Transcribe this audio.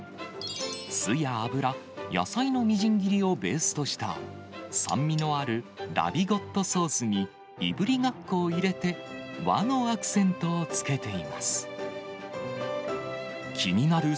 酢や油、野菜のみじん切りをベースとした、酸味のあるラヴィゴットソースに、いぶりがっこを入れて、和のアクセントをつけています。